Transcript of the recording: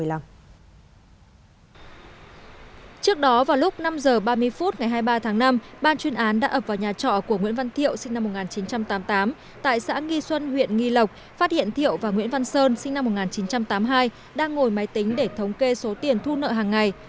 trước đó vào lúc năm h ba mươi phút ngày hai mươi ba tháng năm ban chuyên án đã ập vào nhà trọ của nguyễn văn thiệu sinh năm một nghìn chín trăm tám mươi tám tại xã nghi xuân huyện nghi lộc phát hiện thiệu và nguyễn văn sơn sinh năm một nghìn chín trăm tám mươi hai đang ngồi máy tính để thống kê số tiền thu nợ hàng ngày